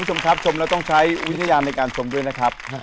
คุณผู้ชมครับชมแล้วต้องใช้วิญญาณในการชมด้วยนะครับ